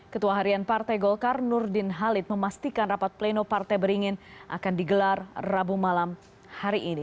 ketua harian partai golkar nurdin halid memastikan rapat pleno partai beringin akan digelar rabu malam hari ini